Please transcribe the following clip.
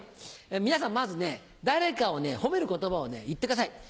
皆さんまず誰かを褒める言葉を言ってください。